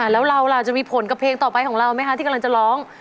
แล้วเราล่ะจะมีผลกับเพลงต่อไปของเราไหมคะที่กำลังจะร้อง